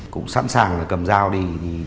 cũng sẵn sàng là cầm dao đi